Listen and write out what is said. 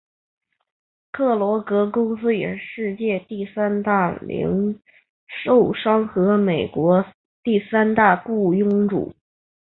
克罗格公司也是世界第三大零售商和美国第三大雇佣主。